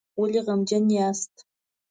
ولې غمجن یاست؟